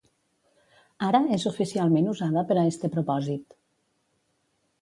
Ara, és oficialment usada per a este propòsit.